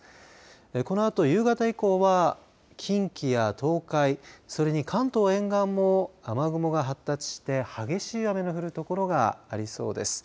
このあと夕方以降は近畿や東海それに関東沿岸も雨雲が発達して激しい雨の降るところがありそうです。